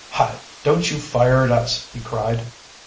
"Hi! don't you fire at us!" he cried.